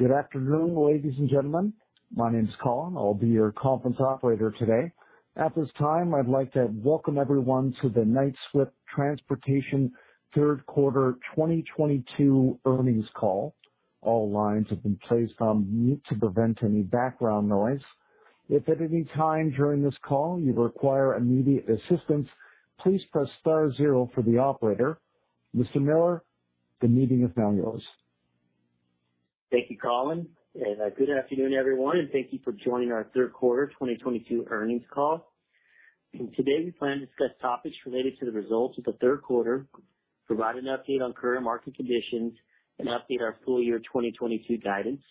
Good afternoon, ladies and gentlemen. My name is Colin. I'll be your conference operator today. At this time, I'd like to welcome everyone to the Knight-Swift Transportation third quarter 2022 earnings call. All lines have been placed on mute to prevent any background noise. If at any time during this call you require immediate assistance, please press star zero for the operator. Mr. Miller, the meeting is now yours. Thank you, Colin, and good afternoon, everyone, and thank you for joining our third quarter 2022 earnings call. Today we plan to discuss topics related to the results of the third quarter, provide an update on current market conditions, and update our full year 2022 guidance.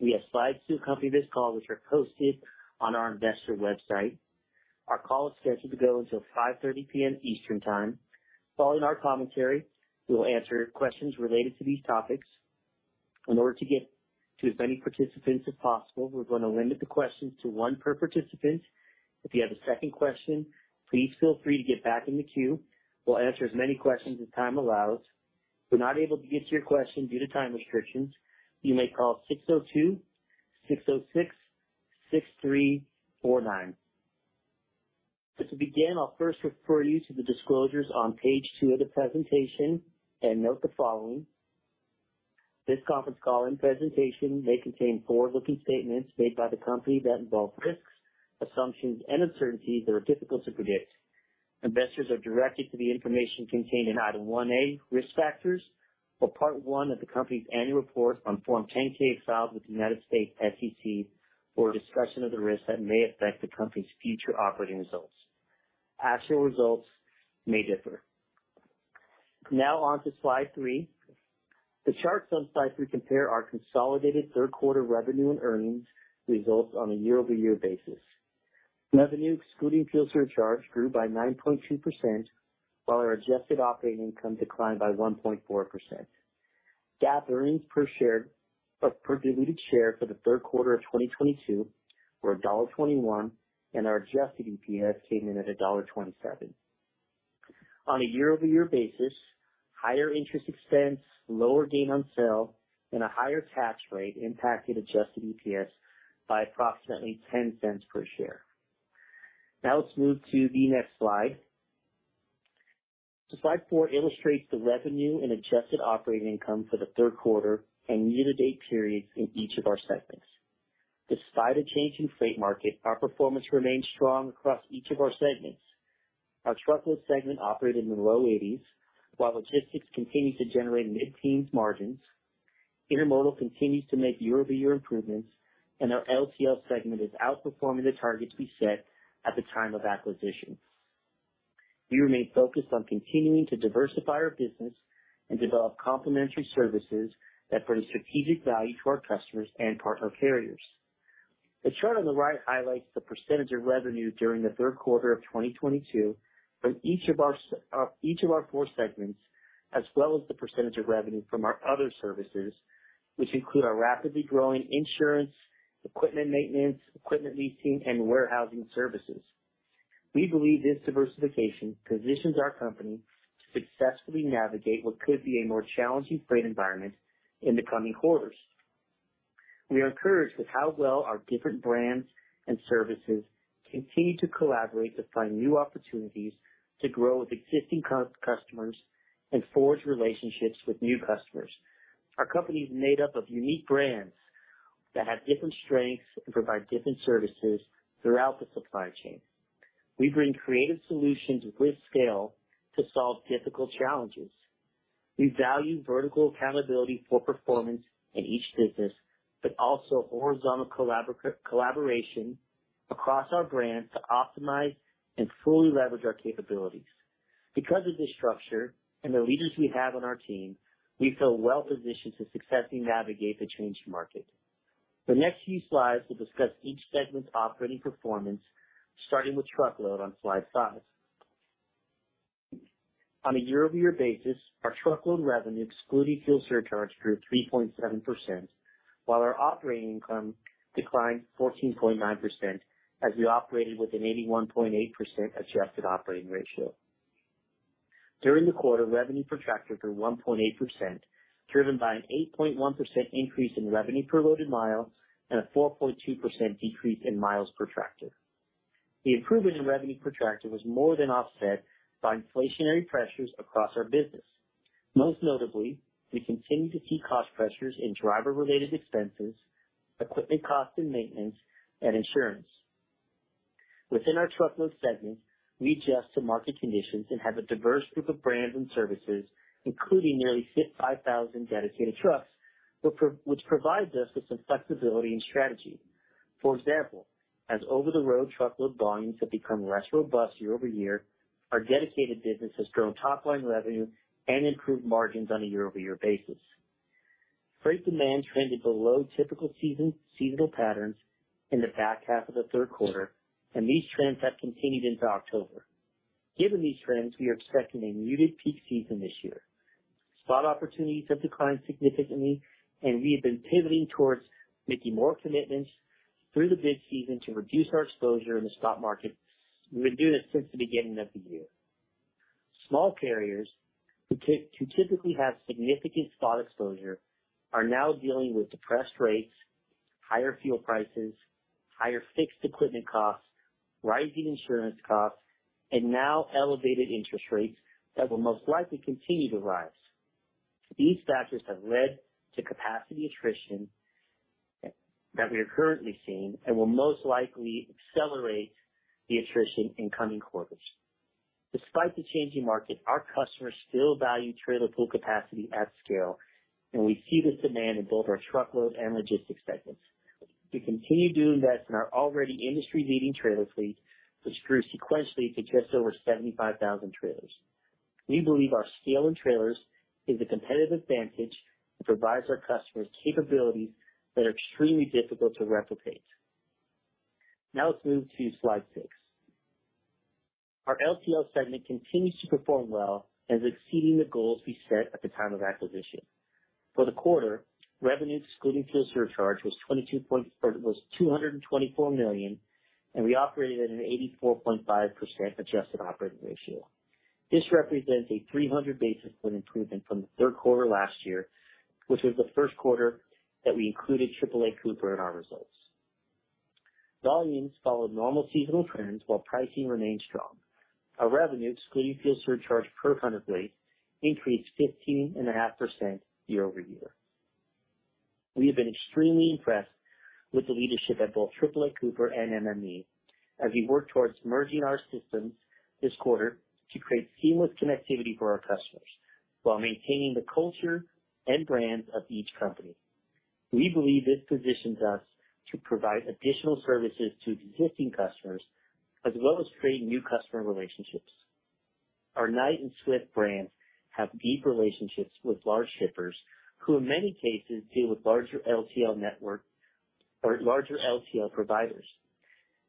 We have slides to accompany this call, which are posted on our investor website. Our call is scheduled to go until 5:30 P.M. Eastern Time. Following our commentary, we will answer questions related to these topics. In order to get to as many participants as possible, we're going to limit the questions to one per participant. If you have a second question, please feel free to get back in the queue. We'll answer as many questions as time allows. If we're not able to get to your question due to time restrictions, you may call 602-606-6349. To begin, I'll first refer you to the disclosures on page 2 of the presentation and note the following. This conference call and presentation may contain forward-looking statements made by the company that involve risks, assumptions, and uncertainties that are difficult to predict. Investors are directed to the information contained in Item 1A, Risk Factors, or Part One of the company's annual report on Form 10-K filed with the U.S. SEC for a discussion of the risks that may affect the company's future operating results. Actual results may differ. Now on to slide 3. The charts on slide 3 compare our consolidated third quarter revenue and earnings results on a year-over-year basis. Revenue excluding fuel surcharge grew by 9.2%, while our adjusted operating income declined by 1.4%. GAAP earnings per share, per diluted share for the third quarter of 2022 were $1.21, and our adjusted EPS came in at $1.27. On a year-over-year basis, higher interest expense, lower gain on sale, and a higher tax rate impacted adjusted EPS by approximately $0.10 per share. Now let's move to the next slide. Slide four illustrates the revenue and adjusted operating income for the third quarter and year-to-date periods in each of our segments. Despite a change in freight market, our performance remained strong across each of our segments. Our truckload segment operated in the low 80s, while logistics continued to generate mid-teens margins. Intermodal continues to make year-over-year improvements, and our LTL segment is outperforming the targets we set at the time of acquisition. We remain focused on continuing to diversify our business and develop complementary services that bring strategic value to our customers and partner carriers. The chart on the right highlights the percentage of revenue during the third quarter of 2022 from each of our four segments, as well as the percentage of revenue from our other services, which include our rapidly growing insurance, equipment maintenance, equipment leasing, and warehousing services. We believe this diversification positions our company to successfully navigate what could be a more challenging freight environment in the coming quarters. We are encouraged with how well our different brands and services continue to collaborate to find new opportunities to grow with existing customers and forge relationships with new customers. Our company is made up of unique brands that have different strengths and provide different services throughout the supply chain. We bring creative solutions with scale to solve difficult challenges. We value vertical accountability for performance in each business, but also horizontal collaboration across our brands to optimize and fully leverage our capabilities. Because of this structure and the leaders we have on our team, we feel well positioned to successfully navigate the changing market. The next few slides will discuss each segment's operating performance, starting with truckload on slide 5. On a year-over-year basis, our truckload revenue, excluding fuel surcharge, grew 3.7%, while our operating income declined 14.9% as we operated with an 81.8% adjusted operating ratio. During the quarter, revenue per tractor grew 1.8%, driven by an 8.1% increase in revenue per loaded mile and a 4.2% decrease in miles per tractor. The improvement in revenue per tractor was more than offset by inflationary pressures across our business. Most notably, we continue to see cost pressures in driver-related expenses, equipment cost and maintenance, and insurance. Within our truckload segment, we adjust to market conditions and have a diverse group of brands and services, including nearly 5,000 dedicated trucks, which provides us with some flexibility and strategy. For example, as over-the-road truckload volumes have become less robust year-over-year, our dedicated business has grown top line revenue and improved margins on a year-over-year basis. Freight demand trended below typical seasonal patterns in the back half of the third quarter, and these trends have continued into October. Given these trends, we are expecting a muted peak season this year. Spot opportunities have declined significantly, and we have been pivoting towards making more commitments through the bid season to reduce our exposure in the spot market. We've been doing this since the beginning of the year. Small carriers who typically have significant spot exposure are now dealing with depressed rates, higher fuel prices, higher fixed equipment costs, rising insurance costs, and now elevated interest rates that will most likely continue to rise. These factors have led to capacity attrition that we are currently seeing and will most likely accelerate the attrition in coming quarters. Despite the changing market, our customers still value trailer pool capacity at scale, and we see this demand in both our truckload and logistics segments. We continue to invest in our already industry-leading trailer fleet, which grew sequentially to just over 75,000 trailers. We believe our scale in trailers is a competitive advantage that provides our customers capabilities that are extremely difficult to replicate. Now let's move to slide 6. Our LTL segment continues to perform well and is exceeding the goals we set at the time of acquisition. For the quarter, revenue excluding fuel surcharge was $224 million, and we operated at an 84.5% adjusted operating ratio. This represents a 300 basis point improvement from the third quarter last year, which was the first quarter that we included AAA Cooper in our results. Volumes followed normal seasonal trends while pricing remained strong. Our revenue, excluding fuel surcharge per ton of weight, increased 15.5% year-over-year. We have been extremely impressed with the leadership at both AAA Cooper and MME as we work towards merging our systems this quarter to create seamless connectivity for our customers while maintaining the culture and brands of each company. We believe this positions us to provide additional services to existing customers, as well as create new customer relationships. Our Knight and Swift brands have deep relationships with large shippers, who in many cases deal with larger LTL network or larger LTL providers.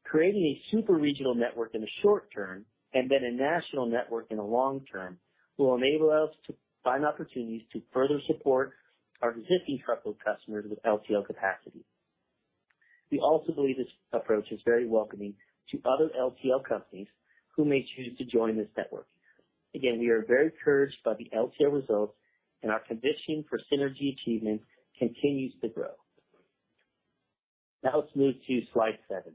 Creating a super-regional network in the short term and then a national network in the long term will enable us to find opportunities to further support our existing truckload customers with LTL capacity. We also believe this approach is very welcoming to other LTL companies who may choose to join this network. Again, we are very encouraged by the LTL results, and our conviction for synergy achievement continues to grow. Now let's move to slide seven.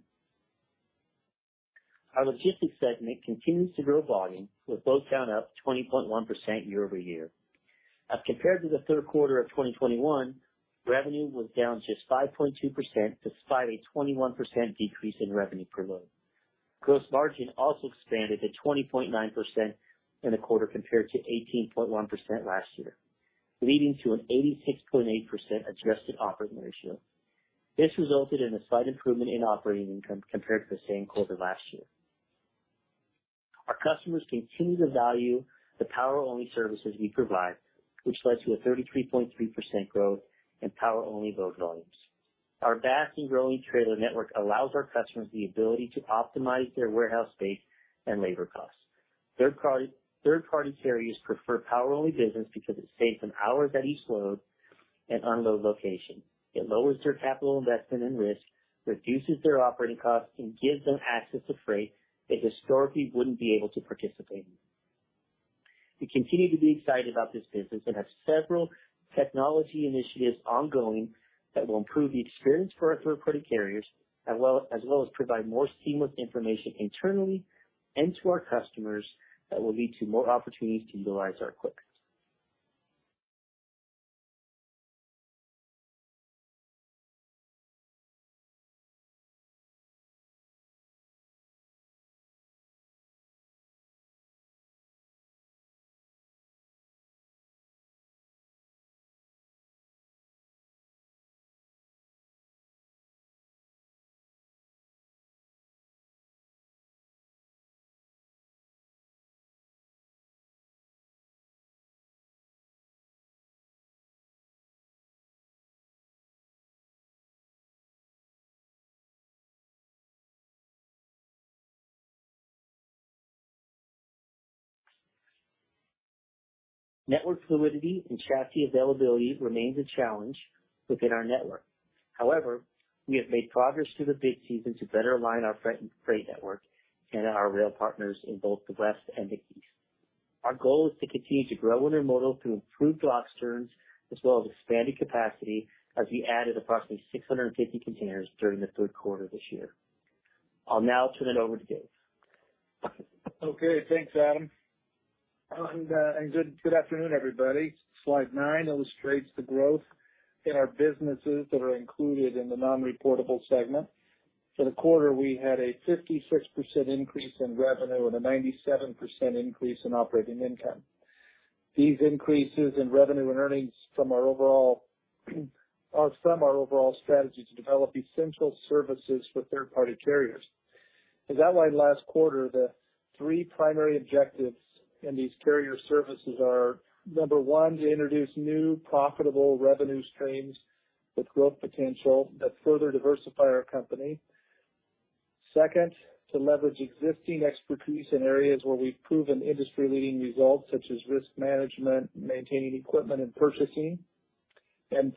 Our logistics segment continues to grow volume, with load count up 20.1% year-over-year. As compared to the third quarter of 2021, revenue was down just 5.2%, despite a 21% decrease in revenue per load. Gross margin also expanded to 20.9% in the quarter compared to 18.1% last year, leading to an 86.8% adjusted operating ratio. This resulted in a slight improvement in operating income compared to the same quarter last year. Our customers continue to value the power-only services we provide, which led to a 33.3% growth in power-only load volumes. Our vast and growing trailer network allows our customers the ability to optimize their warehouse space and labor costs. Third-party carriers prefer power-only business because it saves on hours at each load and unload location. It lowers their capital investment and risk, reduces their operating costs, and gives them access to freight they historically wouldn't be able to participate in. We continue to be excited about this business and have several technology initiatives ongoing that will improve the experience for our third-party carriers, as well as provide more seamless information internally and to our customers that will lead to more opportunities to utilize our equipment. Network fluidity and chassis availability remains a challenge within our network. However, we have made progress through the peak season to better align our freight network and our rail partners in both the West and the East. Our goal is to continue to grow intermodal through improved dock turns as well as expanded capacity as we added approximately 650 containers during the third quarter this year. I'll now turn it over to Dave. Okay, thanks, Adam. Good afternoon, everybody. Slide nine illustrates the growth in our businesses that are included in the non-reportable segment. For the quarter, we had a 56% increase in revenue and a 97% increase in operating income. These increases in revenue and earnings are from our overall strategy to develop essential services for third-party carriers. As outlined last quarter, the three primary objectives in these carrier services are, number one, to introduce new profitable revenue streams with growth potential that further diversify our company. Second, to leverage existing expertise in areas where we've proven industry-leading results such as risk management, maintaining equipment and purchasing.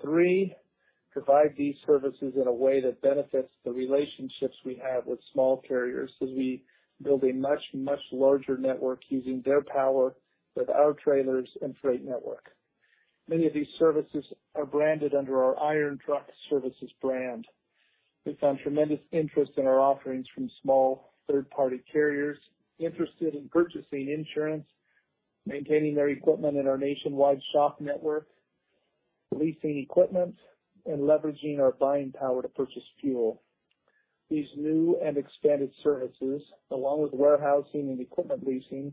Three, provide these services in a way that benefits the relationships we have with small carriers as we build a much larger network using their power with our trailers and freight network. Many of these services are branded under our Iron Truck Services brand. We found tremendous interest in our offerings from small third-party carriers interested in purchasing insurance, maintaining their equipment in our nationwide shop network, leasing equipment, and leveraging our buying power to purchase fuel. These new and expanded services, along with warehousing and equipment leasing,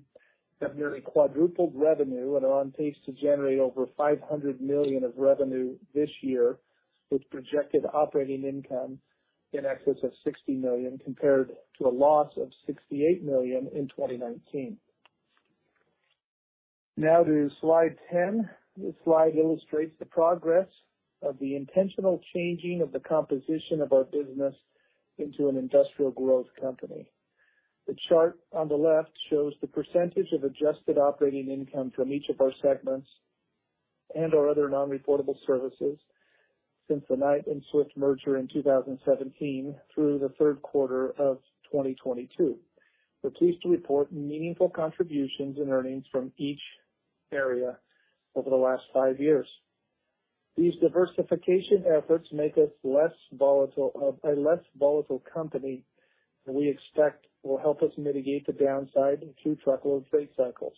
have nearly quadrupled revenue and are on pace to generate over $500 million of revenue this year, with projected operating income in excess of $60 million, compared to a loss of $68 million in 2019. Now to Slide 10. This slide illustrates the progress of the intentional changing of the composition of our business into an industrial growth company. The chart on the left shows the percentage of adjusted operating income from each of our segments and our other non-reportable services since the Knight-Swift merger in 2017 through the third quarter of 2022. We're pleased to report meaningful contributions and earnings from each area over the last five years. These diversification efforts make us less volatile, a less volatile company that we expect will help us mitigate the downside through truckload freight cycles.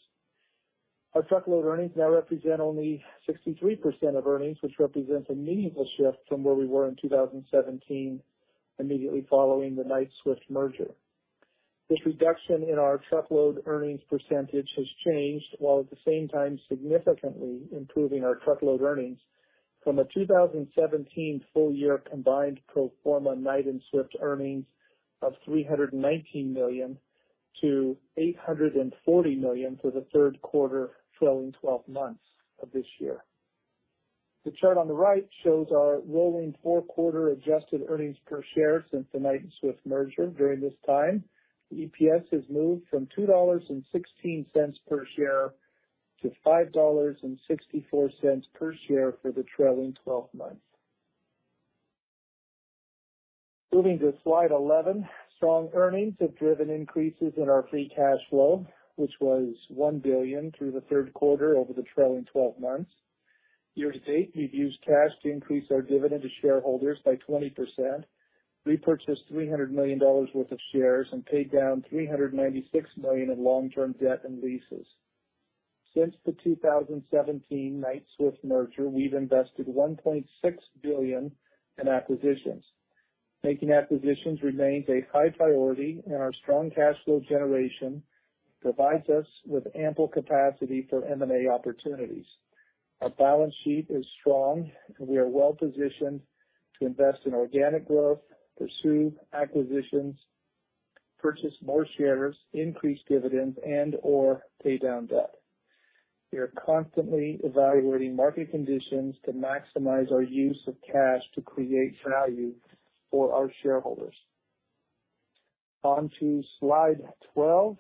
Our truckload earnings now represent only 63% of earnings, which represents a meaningful shift from where we were in 2017, immediately following the Knight-Swift merger. This reduction in our truckload earnings percentage has changed, while at the same time significantly improving our truckload earnings from a 2017 full year combined pro forma Knight and Swift earnings of $319 million to $840 million for the third quarter trailing twelve months of this year. The chart on the right shows our rolling four-quarter adjusted earnings per share since the Knight and Swift merger. During this time, EPS has moved from $2.16 per share to $5.64 per share for the trailing twelve months. Moving to Slide 11. Strong earnings have driven increases in our free cash flow, which was $1 billion through the third quarter over the trailing twelve months. Year to date, we've used cash to increase our dividend to shareholders by 20%, repurchased $300 million worth of shares, and paid down $396 million in long-term debt and leases. Since the 2017 Knight-Swift merger, we've invested $1.6 billion in acquisitions. Making acquisitions remains a high priority, and our strong cash flow generation provides us with ample capacity for M&A opportunities. Our balance sheet is strong, and we are well positioned to invest in organic growth, pursue acquisitions, purchase more shares, increase dividends, and/or pay down debt. We are constantly evaluating market conditions to maximize our use of cash to create value for our shareholders. On to Slide 12.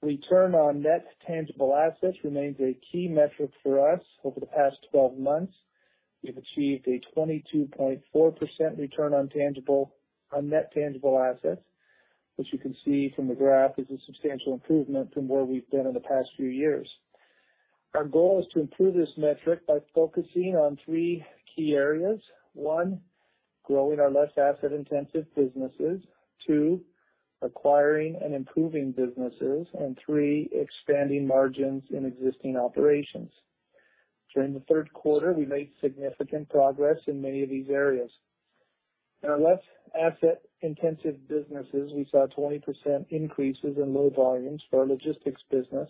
Return on Net Tangible Assets remains a key metric for us. Over the past twelve months, we've achieved a 22.4% return on net tangible assets, which you can see from the graph is a substantial improvement from where we've been in the past few years. Our goal is to improve this metric by focusing on three key areas. One, growing our less asset-intensive businesses. Two, acquiring and improving businesses. And three, expanding margins in existing operations. During the third quarter, we made significant progress in many of these areas. In our less asset-intensive businesses, we saw 20% increases in load volumes for our logistics business,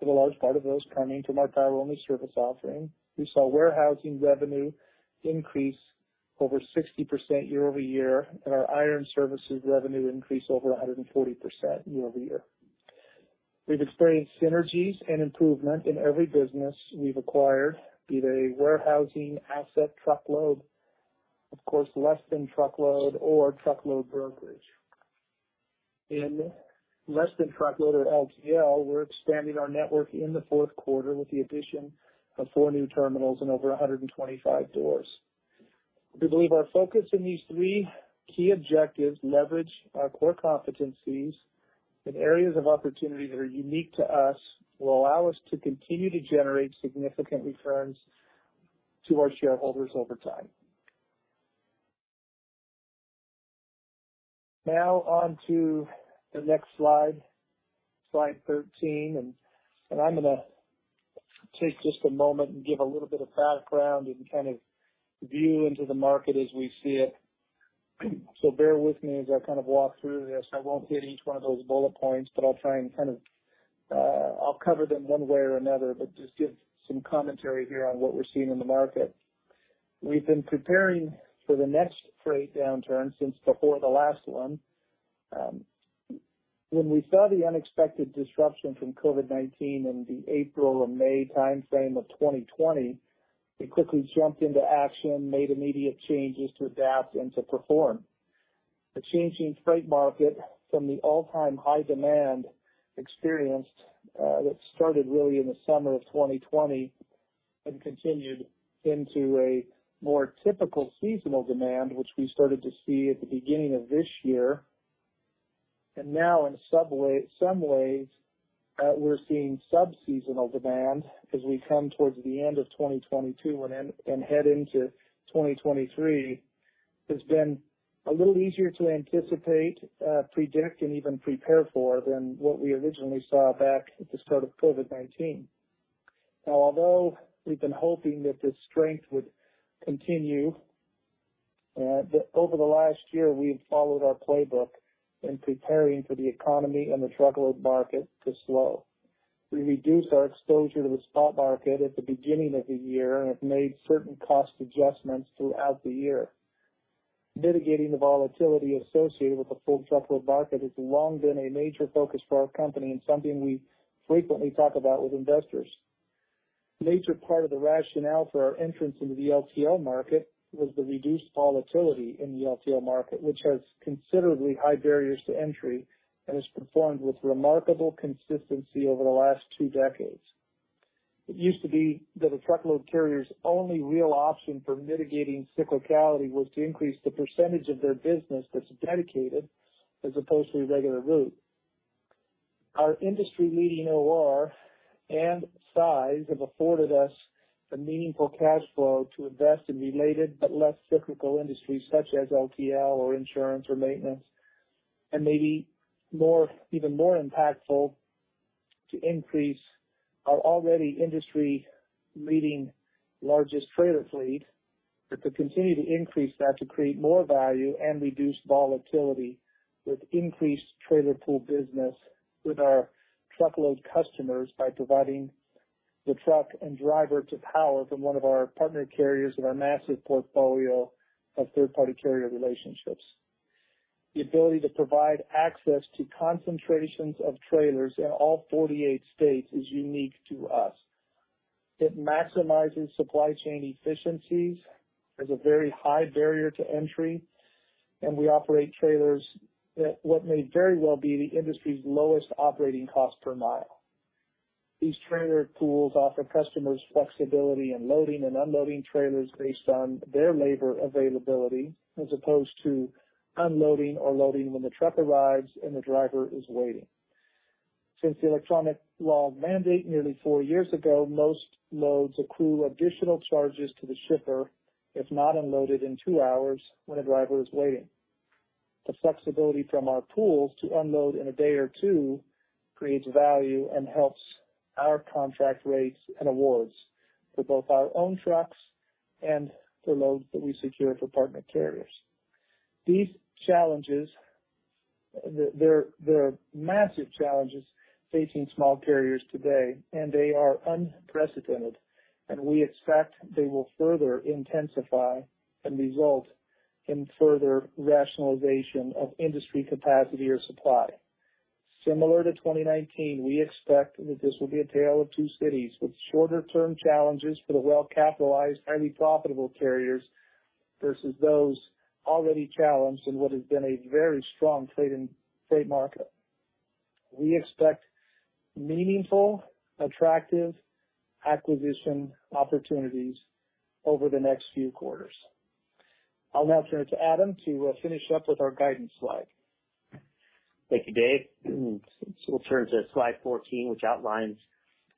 with a large part of those coming from our power-only service offering. We saw warehousing revenue increase over 60% year-over-year, and our Iron Truck Services revenue increase over 140% year-over-year. We've experienced synergies and improvement in every business we've acquired, be they warehousing, asset truckload, of course, less than truckload or truckload brokerage. In less than truckload or LTL, we're expanding our network in the fourth quarter with the addition of four new terminals and over 125 doors. We believe our focus in these three key objectives leverage our core competencies in areas of opportunity that are unique to us will allow us to continue to generate significant returns to our shareholders over time. Now on to the next slide, Slide 13. I'm gonna take just a moment and give a little bit of background and kind of view into the market as we see it. Bear with me as I kind of walk through this. I won't hit each one of those bullet points, but I'll try and kind of, I'll cover them one way or another, but just give some commentary here on what we're seeing in the market. We've been preparing for the next freight downturn since before the last one. When we saw the unexpected disruption from COVID-19 in the April or May timeframe of 2020, we quickly jumped into action, made immediate changes to adapt and to perform. The changing freight market from the all-time high demand experienced, that started really in the summer of 2020 and continued into a more typical seasonal demand, which we started to see at the beginning of this year. Now in some ways, we're seeing sub-seasonal demand as we come towards the end of 2022 and then head into 2023 has been a little easier to anticipate, predict, and even prepare for than what we originally saw back at the start of COVID-19. Now, although we've been hoping that this strength would continue over the last year, we've followed our playbook in preparing for the economy and the truckload market to slow. We reduced our exposure to the spot market at the beginning of the year and have made certain cost adjustments throughout the year. Mitigating the volatility associated with the full truckload market has long been a major focus for our company and something we frequently talk about with investors. Major part of the rationale for our entrance into the LTL market was the reduced volatility in the LTL market, which has considerably high barriers to entry and has performed with remarkable consistency over the last two decades. It used to be that a truckload carrier's only real option for mitigating cyclicality was to increase the percentage of their business that's dedicated as opposed to regular route. Our industry-leading OR and size have afforded us a meaningful cash flow to invest in related but less cyclical industries such as LTL or insurance or maintenance, and maybe more, even more impactful to increase our already industry-leading largest trailer fleet, but to continue to increase that to create more value and reduce volatility with increased trailer pool business with our truckload customers by providing the truck and driver to power from one of our partner carriers of our massive portfolio of third-party carrier relationships. The ability to provide access to concentrations of trailers in all 48 states is unique to us. It maximizes supply chain efficiencies, has a very high barrier to entry, and we operate trailers at what may very well be the industry's lowest operating cost per mile. These trailer pools offer customers flexibility in loading and unloading trailers based on their labor availability, as opposed to unloading or loading when the truck arrives and the driver is waiting. Since the electronic log mandate nearly four years ago, most loads accrue additional charges to the shipper if not unloaded in two hours when a driver is waiting. The flexibility from our pools to unload in a day or two creates value and helps our contract rates and awards for both our own trucks and the loads that we secure for partner carriers. These challenges, there are massive challenges facing small carriers today, and they are unprecedented, and we expect they will further intensify and result in further rationalization of industry capacity or supply. Similar to 2019, we expect that this will be a tale of two cities with shorter-term challenges for the well-capitalized, highly profitable carriers versus those already challenged in what has been a very strong freight market. We expect meaningful, attractive acquisition opportunities over the next few quarters. I'll now turn it to Adam to finish up with our guidance slide. Thank you, Dave. We'll turn to slide 14, which outlines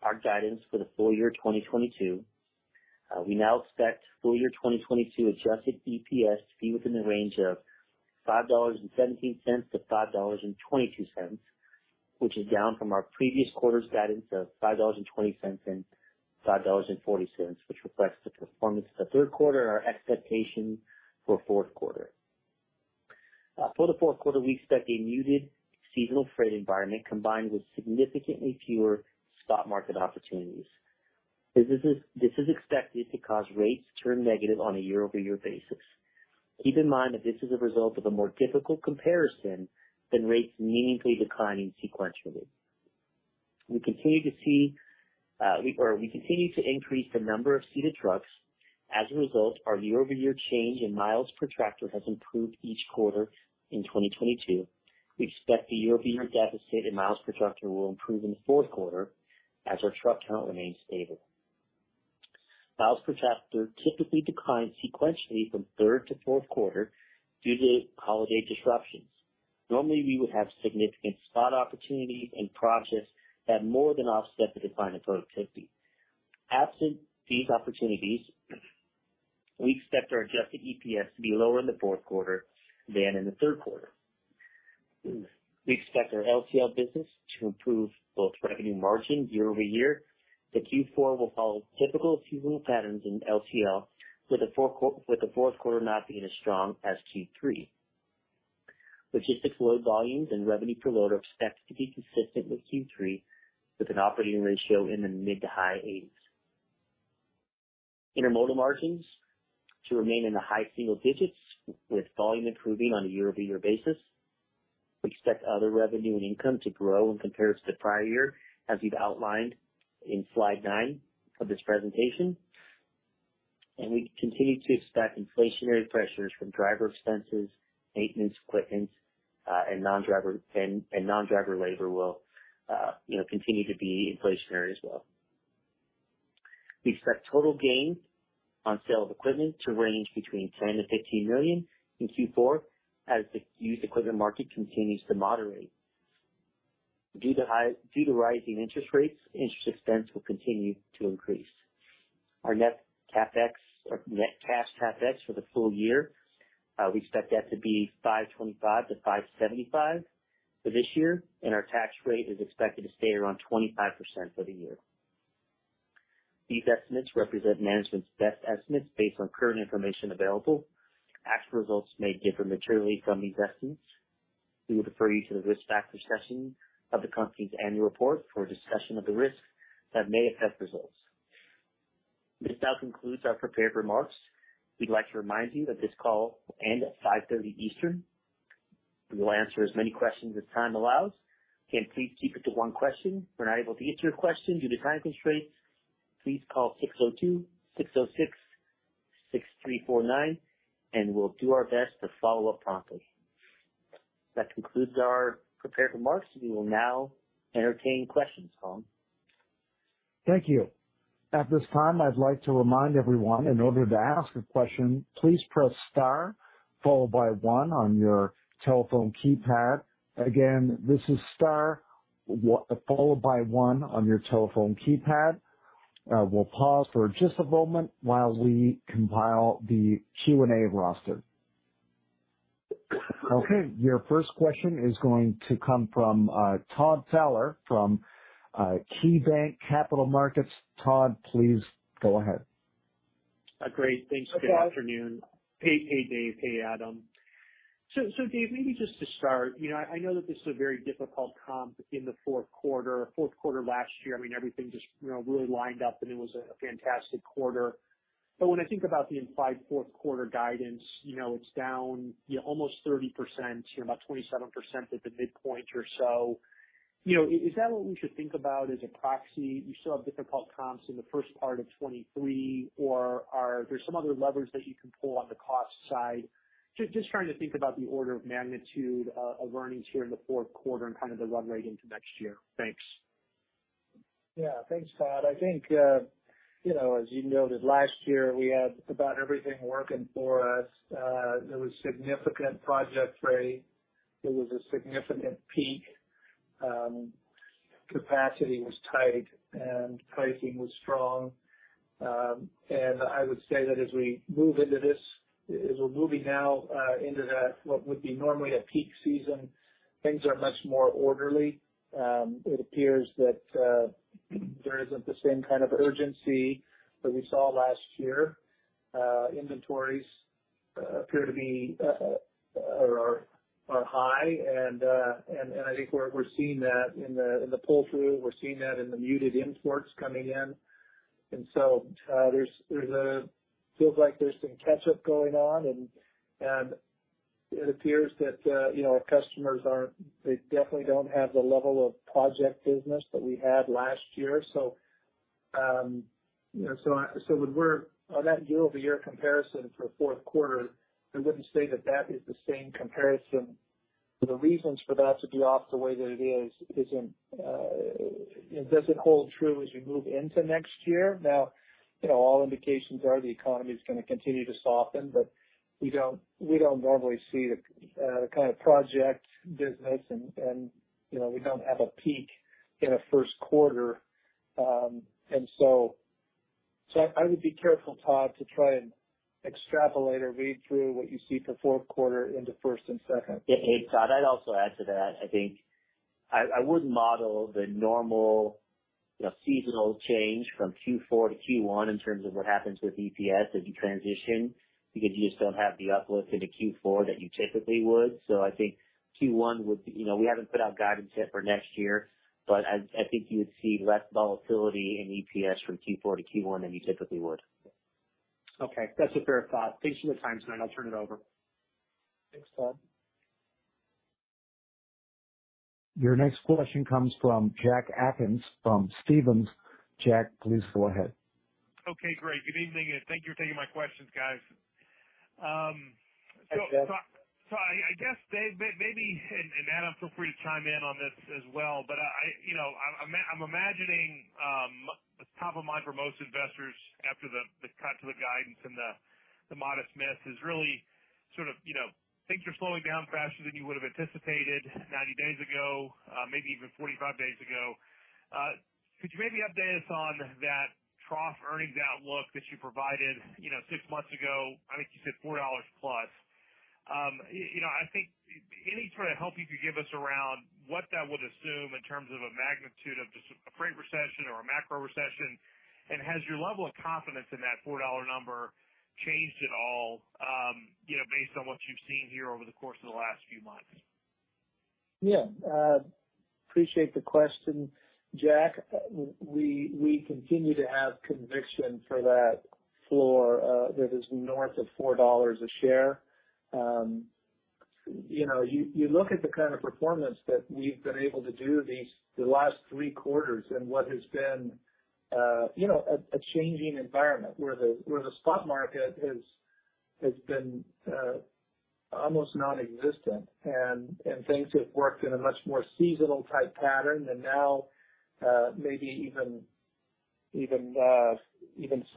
our guidance for the full year 2022. We now expect full year 2022 adjusted EPS to be within the range of $5.17 to $5.22, which is down from our previous quarter's guidance of $5.20 to $5.40, which reflects the performance of the third quarter and our expectation for fourth quarter. For the fourth quarter, we expect a muted seasonal freight environment combined with significantly fewer spot market opportunities. This is expected to cause rates to turn negative on a year-over-year basis. Keep in mind that this is a result of a more difficult comparison than rates meaningfully declining sequentially. We continue to see, or we continue to increase the number of seated trucks. As a result, our year-over-year change in miles per tractor has improved each quarter in 2022. We expect the year-over-year deficit in miles per tractor will improve in the fourth quarter as our truck count remains stable. Miles per tractor typically declines sequentially from third to fourth quarter due to holiday disruptions. Normally, we would have significant spot opportunities in process that more than offset the decline in productivity. Absent these opportunities, we expect our adjusted EPS to be lower in the fourth quarter than in the third quarter. We expect our LTL business to improve both revenue and margin year over year, but Q4 will follow typical seasonal patterns in LTL with the fourth quarter not being as strong as Q3. Logistics load volumes and revenue per load are expected to be consistent with Q3, with an operating ratio in the mid- to high 80s. Intermodal margins to remain in the high single digits% with volume improving on a year-over-year basis. We expect other revenue and income to grow in comparison to prior year, as we've outlined in slide nine of this presentation. We continue to expect inflationary pressures from driver expenses, maintenance, equipment, and non-driver labor will continue to be inflationary as well. We expect total gain on sale of equipment to range between $10 million-$15 million in Q4 as the used equipment market continues to moderate. Due to rising interest rates, interest expense will continue to increase. Our net CapEx or net cash CapEx for the full year, we expect that to be $525 million-$575 million for this year, and our tax rate is expected to stay around 25% for the year. These estimates represent management's best estimates based on current information available. Actual results may differ materially from these estimates. We would refer you to the risk factor section of the company's annual report for a discussion of the risks that may affect results. This now concludes our prepared remarks. We'd like to remind you that this call will end at 5:30 P.M. Eastern. We will answer as many questions as time allows. Again, please keep it to one question. If we're not able to get to your question due to time constraints, please call 602-606-6349 and we'll do our best to follow up promptly. That concludes our prepared remarks. We will now entertain questions. Tom? Thank you. At this time, I'd like to remind everyone, in order to ask a question, please press star followed by one on your telephone keypad. Again, this is star, followed by one on your telephone keypad. We'll pause for just a moment while we compile the Q&A roster. Okay. Your first question is going to come from Todd, please go ahead. Great. Hey, Todd. Thanks. Good afternoon. Hey, Dave. Hey, Adam. Dave, maybe just to start I know that this is a very difficult comp in the fourth quarter. Fourth quarter last year, I mean, everything just really lined up and it was a fantastic quarter. But when I think about the implied fourth quarter guidance it's down almost 30% about 27% at the midpoint or so. You know, is that what we should think about as a proxy? You still have difficult comps in the first part of 2023 or are there some other levers that you can pull on the cost side? Just trying to think about the order of magnitude of earnings here in the fourth quarter and kind of the run rate into next year. Thanks. Yeah. Thanks, Todd. I think as you noted last year, we had about everything working for us. There was significant project trade. There was a significant peak. Capacity was tight and pricing was strong. I would say that as we move into this, as we're moving now, into that, what would be normally a peak season, things are much more orderly. It appears that there isn't the same kind of urgency that we saw last year. Inventories appear to be high and I think we're seeing that in the pull-through. We're seeing that in the muted imports coming in. Feels like there's some catch-up going on. It appears that you know, our customers definitely don't have the level of project business that we had last year. When we're on that year-over-year comparison for fourth quarter, I wouldn't say that is the same comparison. The reasons for that to be off the way that it is is in doesn't hold true as we move into next year. Now, all indications are the economy's gonna continue to soften, but we don't normally see the kind of project business and we don't have a peak in a first quarter. I would be careful, Todd, to try and extrapolate or read through what you see for fourth quarter into first and second. Yeah. Hey, Todd. I'd also add to that. I think I would model the normal seasonal change from Q4 to Q1 in terms of what happens with EPS as you transition, because you just don't have the uplift into Q4 that you typically would. I think Q1 would be we haven't put out guidance yet for next year, but I think you would see less volatility in EPS from Q4 to Q1 than you typically would. Okay. That's a fair thought. Thanks for your time tonight. I'll turn it over. Thanks, Todd. Your next question comes from Jack Atkins from Stephens. Jack, please go ahead. Okay, great. Good evening, and thank you for taking my questions, guys. Hey, Jack. I guess, Dave, maybe and Adam, feel free to chime in on this as well, but i I'm imagining top of mind for most investors after the cut to the guidance and the modest miss is really sort of things are slowing down faster than you would have anticipated 90 days ago, maybe even 45 days ago. Could you maybe update us on that trough earnings outlook that you provided six months ago? I think you said $4+. You know, I think any sort of help you could give us around what that would assume in terms of a magnitude of just a freight recession or a macro recession. Has your level of confidence in that $4 number changed at all based on what you've seen here over the course of the last few months? Yeah. Appreciate the question, Jack. We continue to have conviction for that floor that is north of $4 a share. You know, you look at the kind of performance that we've been able to do the last 3 quarters and what has been a changing environment where the spot market has been almost non-existent. Things have worked in a much more seasonal type pattern. Now, maybe even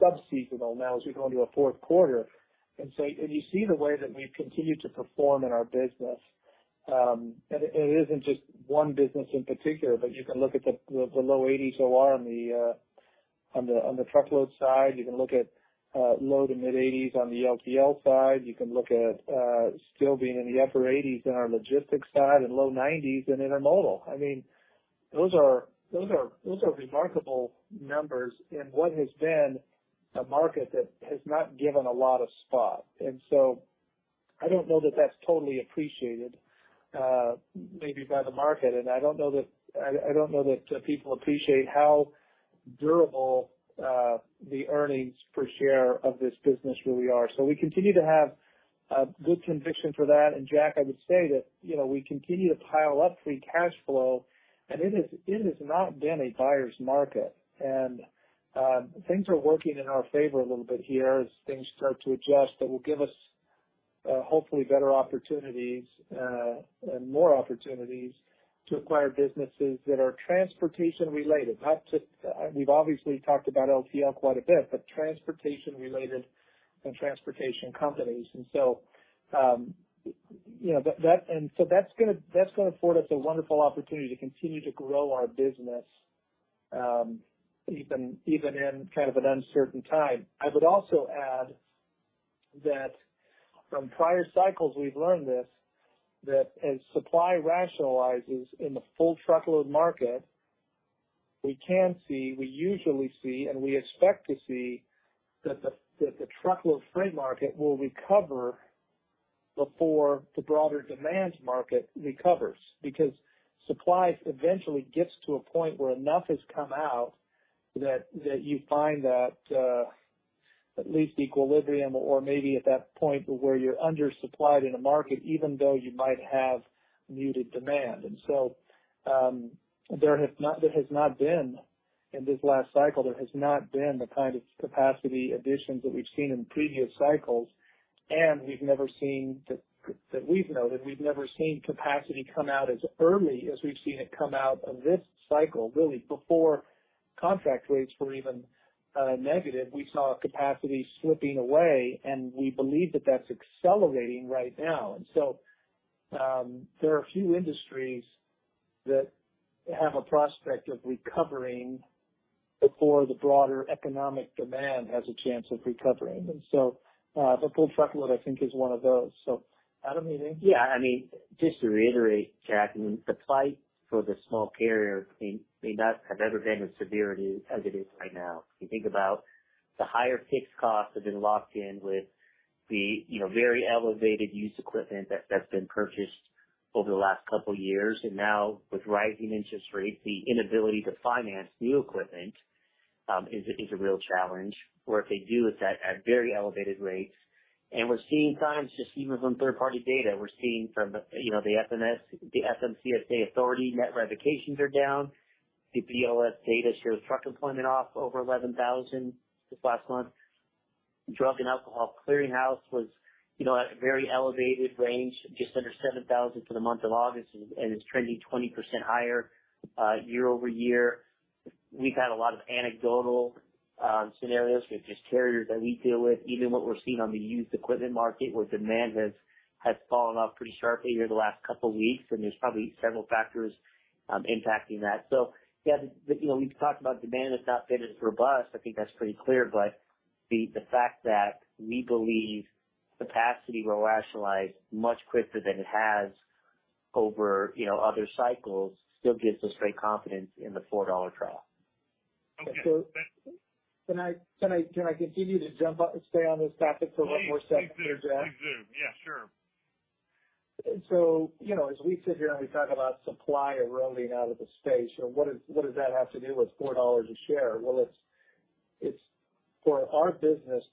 sub-seasonal now as we go into a fourth quarter. You see the way that we've continued to perform in our business. It isn't just one business in particular, but you can look at the low 80s OR on the truckload side. You can look at low to mid-80s% on the LTL side. You can look at still being in the upper 80s% in our logistics side and low 90s% in intermodal. I mean, those are remarkable numbers in what has been a market that has not given a lot of spot. I don't know that that's totally appreciated, maybe by the market. I don't know that people appreciate how durable the earnings per share of this business really are. We continue to have good conviction for that. Jack, I would say that we continue to pile up free cash flow, and it has not been a buyer's market. Things are working in our favor a little bit here as things start to adjust that will give us, hopefully better opportunities, and more opportunities to acquire businesses that are transportation-related, not just LTL. We've obviously talked about LTL quite a bit, but transportation-related and transportation companies. You know, that's gonna afford us a wonderful opportunity to continue to grow our business, even in kind of an uncertain time. I would also add that from prior cycles, we've learned this, that as supply rationalizes in the full truckload market, we can see, we usually see, and we expect to see that the truckload freight market will recover before the broader demand side market recovers. Because supply eventually gets to a point where enough has come out that you find that at least equilibrium or maybe at that point where you're undersupplied in a market, even though you might have muted demand. There has not been, in this last cycle, the kind of capacity additions that we've seen in previous cycles, and we've never seen, that we've noted, capacity come out as early as we've seen it come out of this cycle, really before contract rates were even negative. We saw capacity slipping away, and we believe that that's accelerating right now. There are few industries that have a prospect of recovering before the broader economic demand has a chance of recovering. The full truckload, I think, is one of those. Adam, anything? Yeah. I mean, just to reiterate, Jack, I mean, the plight for the small carrier may not have ever been as severe as it is right now. If you think about the higher fixed costs have been locked in with the very elevated used equipment that's been purchased over the last couple years. Now with rising interest rates, the inability to finance new equipment is a real challenge. If they do, it's at very elevated rates. We're seeing signs just even from third-party data, from the FMCSA, the FMCSA authority net revocations are down. The BLS data shows truck employment off over 11,000 this last month. Drug and Alcohol Clearinghouse was at a very elevated range, just under 7,000 for the month of August and is trending 20% higher year-over-year. We've had a lot of anecdotal scenarios with just carriers that we deal with, even what we're seeing on the used equipment market, where demand has fallen off pretty sharply here the last couple weeks, and there's probably several factors impacting that. yeah we've talked about demand has not been as robust. I think that's pretty clear. The fact that we believe capacity will rationalize much quicker than it has over other cycles still gives us great confidence in the $4 trailer. Okay. Can I continue to stay on this topic for one more second here, Jack? Please do. Yeah, sure. You know, as we sit here and we talk about supply eroding out of the space what does that have to do with $4 a share? Well, it's for our business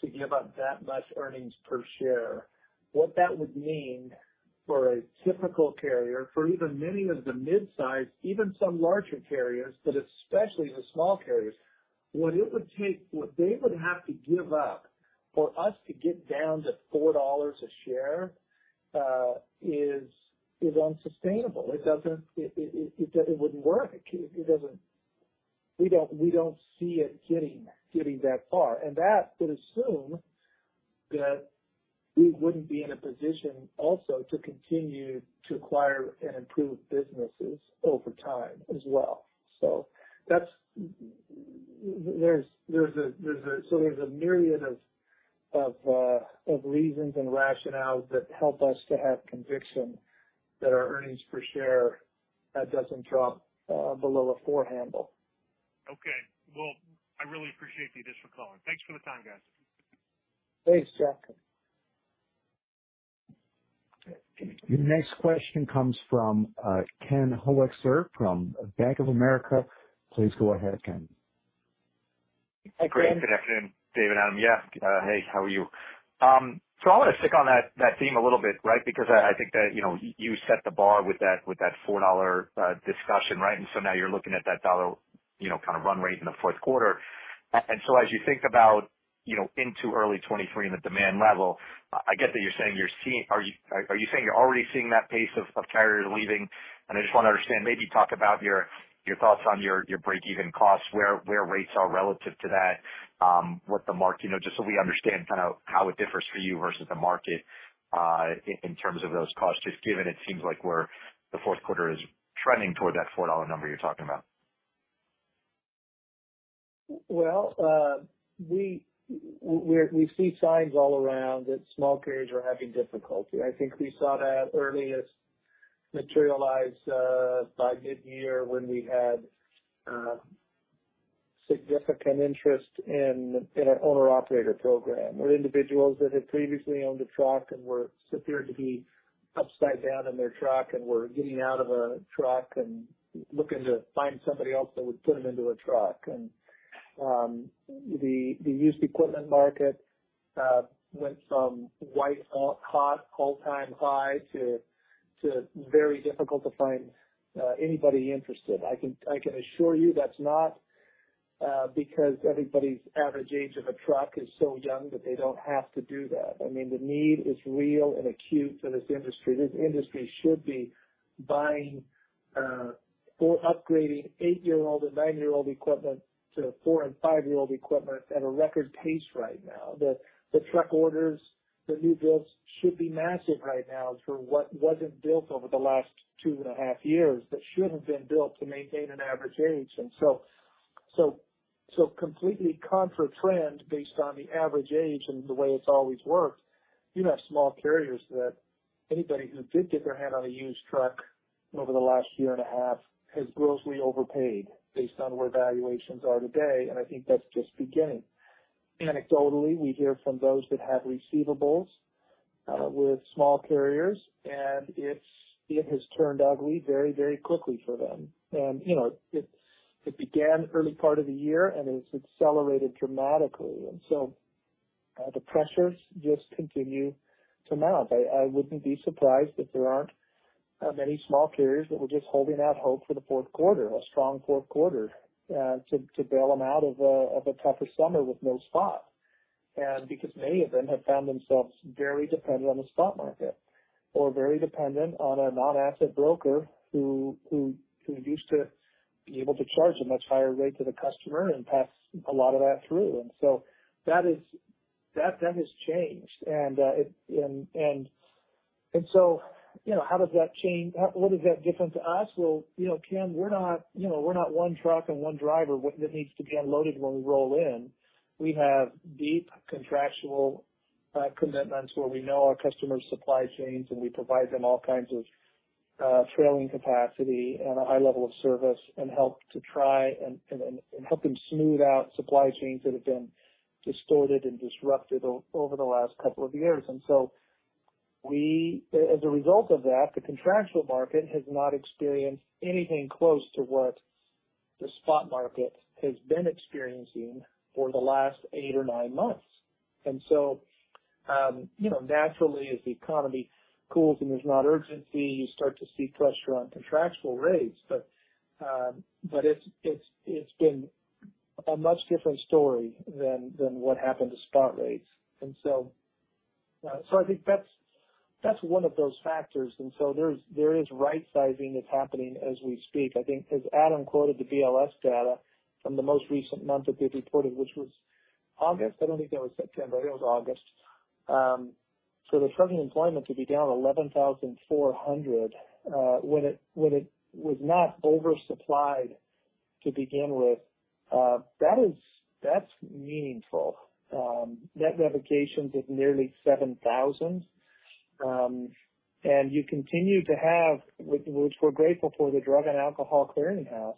to give up that much earnings per share, what that would mean for a typical carrier, for even many of the mid-size, even some larger carriers, but especially the small carriers, what it would take, what they would have to give up for us to get down to $4 a share is unsustainable. It doesn't wouldn't work. It doesn't. We don't see it getting that far. That could assume that we wouldn't be in a position also to continue to acquire and improve businesses over time as well. That's. There's a myriad of reasons and rationales that help us to have conviction that our earnings per share doesn't drop below a 4 handle. Okay. Well, I really appreciate you just for calling. Thanks for the time, guys. Thanks, Jack. Your next question comes from, Kenneth Hoexter from Bank of America. Please go ahead, Ken. Great. Good afternoon, Dave and Adam. Hey, how are you? I want to stick on that theme a little bit, right? Because I think that you set the bar with that $4 discussion, right? Now you're looking at that $1 kind of run rate in the fourth quarter. As you think about into early 2023 and the demand level, I get that you're saying you're seeing. Are you saying you're already seeing that pace of carriers leaving? I just wanna understand, maybe talk about your thoughts on your break even costs, where rates are relative to that. You know, just so we understand kind of how it differs for you versus the market, in terms of those costs, just given it seems like we're, the fourth quarter is trending toward that $4 number you're talking about. Well, we're seeing signs all around that small carriers are having difficulty. I think we saw that early as it materialized by mid-year when we had significant interest in our owner-operator program, where individuals that had previously owned a truck and appeared to be upside down in their truck and were getting out of a truck and looking to find somebody else that would put them into a truck. The used equipment market went from white-hot all-time high to very difficult to find anybody interested. I can assure you that's not because everybody's average age of a truck is so young that they don't have to do that. I mean, the need is real and acute for this industry. This industry should be buying or upgrading eight-year-old and nine-year-old equipment to four- and five-year-old equipment at a record pace right now. The truck orders, the new builds should be massive right now for what wasn't built over the last two and a half years that should have been built to maintain an average age. Completely contra trend based on the average age and the way it's always worked, you have small carriers that anybody who did get their hand on a used truck over the last year and a half has grossly overpaid based on where valuations are today. I think that's just beginning. Anecdotally, we hear from those that have receivables with small carriers, and it has turned ugly very, very quickly for them. You know, it began early part of the year, and it's accelerated dramatically. The pressures just continue to mount. I wouldn't be surprised if there aren't many small carriers that were just holding out hope for the fourth quarter, a strong fourth quarter, to bail them out of a tougher summer with no spot. Because many of them have found themselves very dependent on the spot market or very dependent on a non-asset broker who used to be able to charge a much higher rate to the customer and pass a lot of that through. That then has changed. You know, how does that change? What is that different to us? well Ken, we're not one truck and one driver that needs to be unloaded when we roll in. We have deep contractual commitments where we know our customers supply chains, and we provide them all kinds of trailer capacity and a high level of service and help to try and help them smooth out supply chains that have been distorted and disrupted over the last couple of years. As a result of that, the contractual market has not experienced anything close to what the spot market has been experiencing for the last 8 or 9 months. You know, naturally, as the economy cools and there's not urgency, you start to see pressure on contractual rates. But it's been a much different story than what happened to spot rates. I think that's one of those factors. There is right sizing that's happening as we speak. I think as Adam quoted the BLS data from the most recent month that they reported, which was August. I don't think that was September. I think it was August. For the trucking employment to be down 11,400, when it was not oversupplied to begin with, that's meaningful. Net revocations at nearly 7,000. You continue to have, which we're grateful for, the Drug and Alcohol Clearinghouse.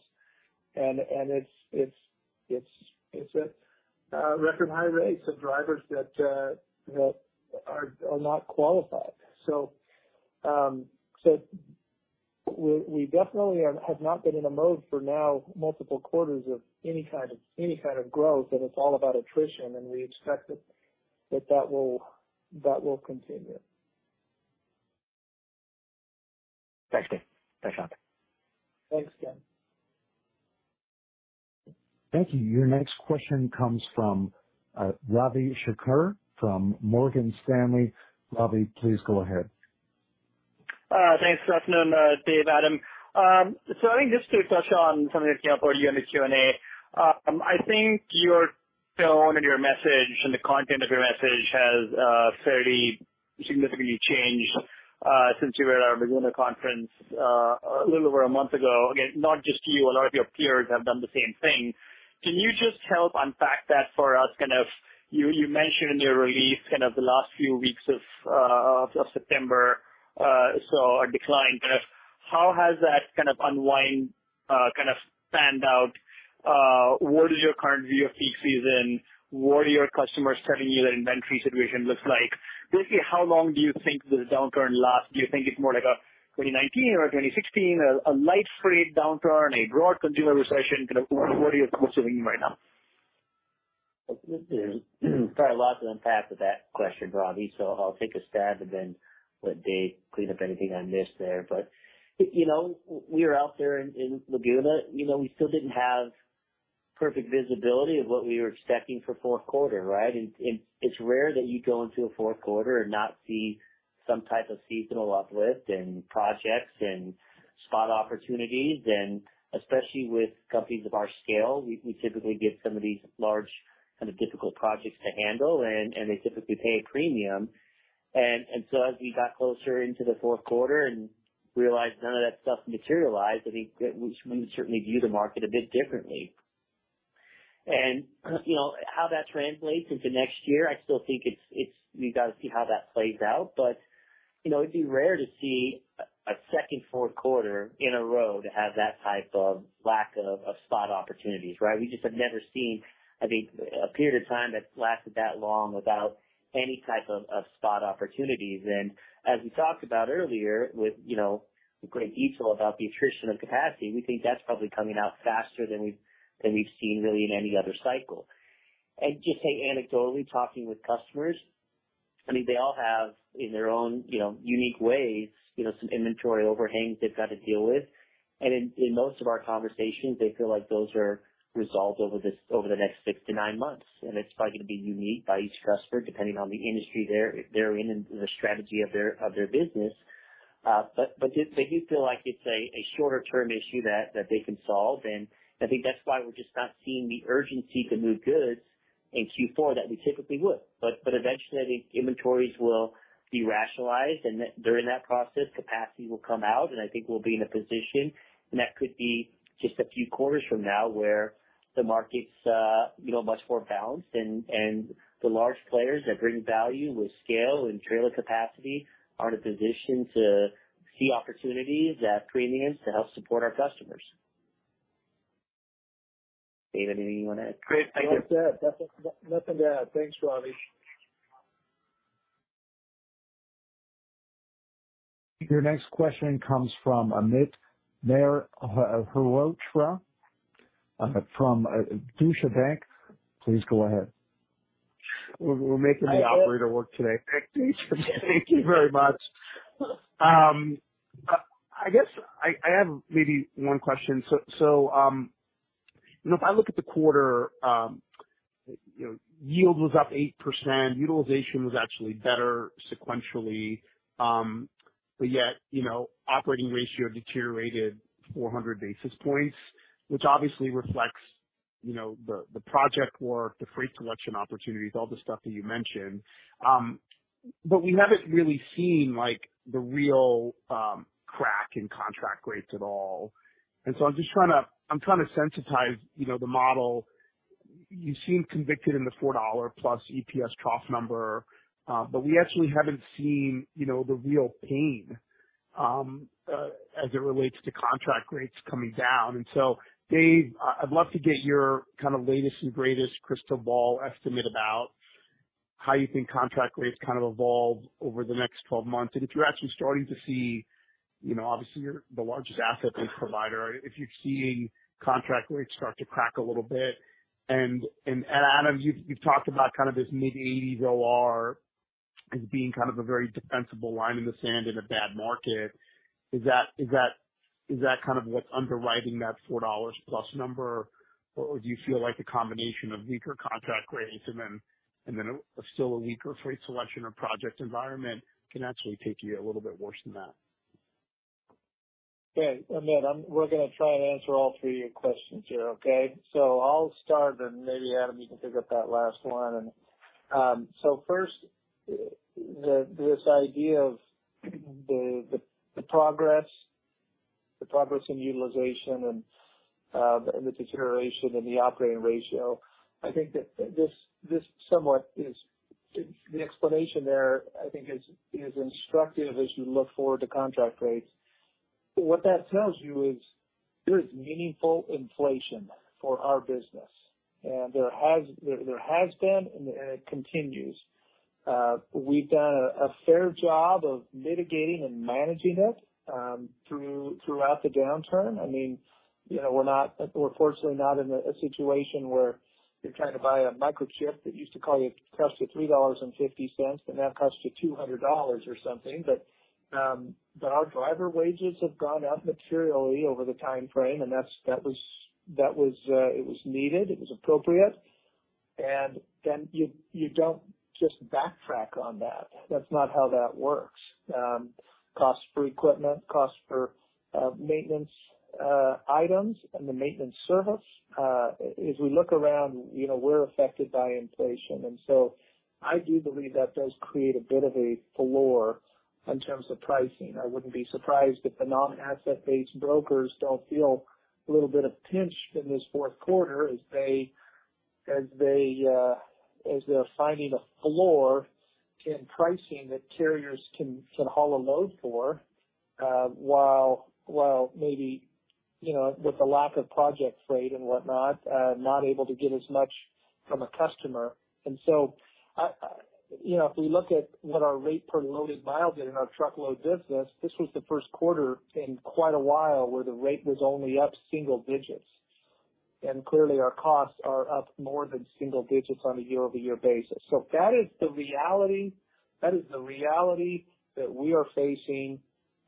It's at record high rates of drivers that are not qualified. We definitely have not been in a mode for now multiple quarters of any kind of growth, and it's all about attrition, and we expect that will continue. Thanks, Dave. Thanks, Adam. Thanks, Ken. Thank you. Your next question comes from, Ravi Shanker from Morgan Stanley. Ravi, please go ahead. Thanks. Good afternoon, Dave, Adam. I think just to touch on something that came up earlier in the Q&A. I think your tone and your message and the content of your message has fairly significantly changed since you were at our Laguna conference a little over a month ago. Again, not just you, a lot of your peers have done the same thing. Can you just help unpack that for us? You mentioned in your release the last few weeks of September saw a decline. How has that kind of unwind kind of panned out? What is your current view of peak season? What are your customers telling you their inventory situation looks like? Basically, how long do you think this downturn lasts? Do you think it's more like a 2019 or a 2016, a light freight downturn, a broad consumer recession? Kind of what are you considering right now? There's probably a lot to unpack with that question, Ravi, so I'll take a stab and then let Dave clean up anything I missed there. You know, we are out there in Laguna. You know, we still didn't have perfect visibility of what we were expecting for fourth quarter, right? It's rare that you go into a fourth quarter and not see some type of seasonal uplift in projects and spot opportunities. Especially with companies of our scale, we typically get some of these large kind of difficult projects to handle and they typically pay a premium. As we got closer into the fourth quarter and realized none of that stuff materialized, I think that we certainly view the market a bit differently. You know, how that translates into next year, I still think it's. We've got to see how that plays out. You know, it'd be rare to see a second fourth quarter in a row to have that type of lack of spot opportunities, right? We just have never seen, I think, a period of time that's lasted that long without any type of spot opportunities. As we talked about earlier with you know with great detail about the attrition of capacity, we think that's probably coming out faster than we've seen really in any other cycle. Just anecdotally, talking with customers, I mean, they all have in their own you know unique ways you know some inventory overhangs they've got to deal with. In most of our conversations, they feel like those are resolved over the next 6 to 9 months. It's probably gonna be unique by each customer, depending on the industry they're in and the strategy of their business. They do feel like it's a shorter term issue that they can solve. I think that's why we're just not seeing the urgency to move goods in Q4 that we typically would. Eventually I think inventories will be rationalized and that during that process capacity will come out. I think we'll be in a position, and that could be just a few quarters from now, where the market's you know much more balanced and the large players that bring value with scale and trailer capacity are in a position to see opportunities at premiums to help support our customers. Dave, anything you wanna add? Great. Thank you. Nothing to add. Nothing to add. Thanks, Ravi. Your next question comes from Amit Mehrotra from Deutsche Bank. Please go ahead. We're making the operator work today. Thank you very much. I guess I have maybe one question. You know, if I look at the quarter yield was up 8%, utilization was actually better sequentially. yet operating ratio deteriorated 400 basis points, which obviously reflects the project work, the freight collection opportunities, all the stuff that you mentioned. We haven't really seen like the real crack in contract rates at all. I'm just trying to sensitize the model. You seem convicted in the $4+ EPS trough number. We actually haven't seen the real pain as it relates to contract rates coming down. Dave, I'd love to get your kind of latest and greatest crystal ball estimate about how you think contract rates kind of evolve over the next 12 months. If you're actually starting to see obviously you're the largest asset-based provider. If you're seeing contract rates start to crack a little bit. Adam, you've talked about kind of this mid-80s OR as being kind of a very defensible line in the sand in a bad market. Is that kind of what's underwriting that $4+ number? Do you feel like the combination of weaker contract rates and then a still weaker freight selection or project environment can actually take you a little bit worse than that? Okay. Amit, we're gonna try and answer all three of your questions here. Okay? I'll start, then maybe Adam, you can pick up that last one. First, this idea of the progress in utilization and the deterioration in the operating ratio. I think that this somewhat is the explanation there, I think is instructive as you look forward to contract rates. What that tells you is there is meaningful inflation for our business, and there has been, and it continues. We've done a fair job of mitigating and managing it throughout the downturn. I mean we're fortunately not in a situation where you're trying to buy a microchip that used to cost you $3.50, but now it costs you $200 or something. Our driver wages have gone up materially over the time frame. That's what was needed, it was appropriate. You don't just backtrack on that. That's not how that works. Cost for equipment, cost for maintenance items and the maintenance service. As we look around we're affected by inflation. I do believe that does create a bit of a floor in terms of pricing. I wouldn't be surprised if the non-asset-based brokers don't feel a little bit of pinch in this fourth quarter as they're finding a floor in pricing that carriers can haul a load for, while maybe with the lack of project freight and whatnot, not able to get as much from a customer. I you know, if we look at what our rate per loaded mile did in our truckload business, this was the first quarter in quite a while where the rate was only up single digits. Clearly our costs are up more than single digits on a year-over-year basis. That is the reality that we are facing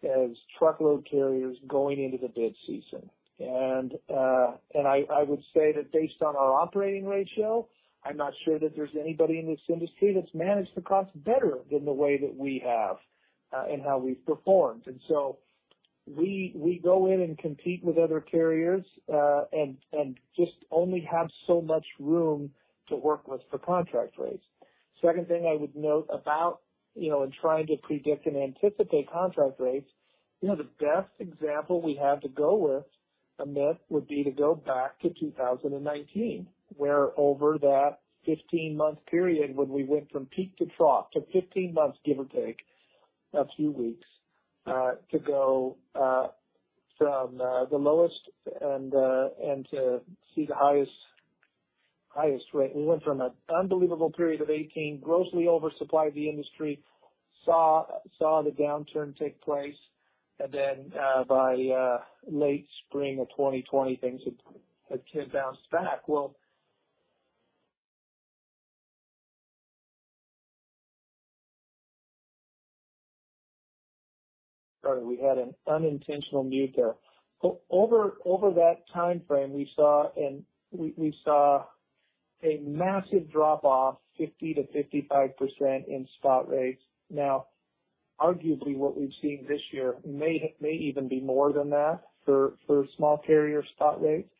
as truckload carriers going into the bid season. I would say that based on our operating ratio, I'm not sure that there's anybody in this industry that's managed the cost better than the way that we have, and how we've performed. We go in and compete with other carriers, and just only have so much room to work with for contract rates. Second thing I would note about in trying to predict and anticipate contract rates the best example we have to go with, Amit, would be to go back to 2019, where over that 15-month period when we went from peak to trough. Took 15 months, give or take a few weeks, to go from the lowest and to see the highest rate. We went from an unbelievable period of 2018 grossly oversupplied the industry, saw the downturn take place. By late spring of 2020, things had bounced back. Sorry, we had an unintentional mute there. Over that timeframe we saw a massive drop off 50%-55% in spot rates. Now, arguably, what we've seen this year may even be more than that for small carrier spot rates.